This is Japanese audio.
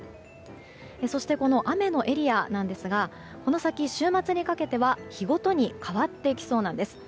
そして雨のエリアですがこの先週末にかけては日ごとに変わってきそうなんです。